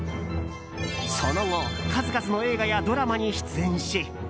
その後数々の映画やドラマに出演し。